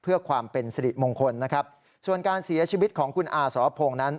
เพื่อความเป็นสิริมงคลนะครับส่วนการเสียชีวิตของคุณอาสรพงศ์นั้น